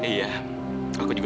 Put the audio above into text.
danannya juga setuju wi